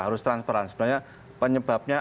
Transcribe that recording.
harus transparan sebenarnya penyebabnya